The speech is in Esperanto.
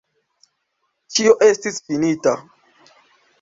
Ĉio estis finita.